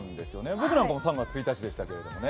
僕なんかも３月１日でしたけどね。